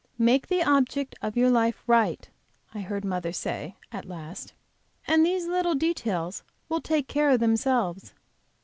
"Make the object of your life right," I heard mother say, at last, "and these little details will take care of themselves."